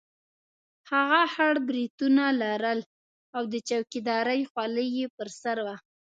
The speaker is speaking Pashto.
هغه خړ برېتونه لرل او د چوکیدارۍ خولۍ یې پر سر وه.